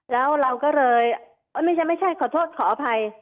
แล้วเราก็เลยไม่ใช่ขอโทษขออภัย